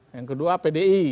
yang kedua pdi